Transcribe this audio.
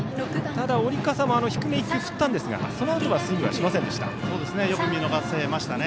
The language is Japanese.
ただ、織笠も低め、１球振ったんですがそのあとはスイングはしませんでした。